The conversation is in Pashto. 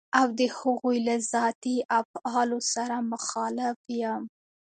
او د هغوی له ذاتي افعالو سره مخالف يم.